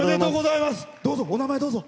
お名前、どうぞ。